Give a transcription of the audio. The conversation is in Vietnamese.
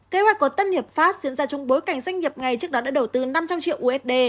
kế hoạch của tân hiệp pháp diễn ra trong bối cảnh doanh nghiệp này trước đó đã đầu tư năm trăm linh triệu usd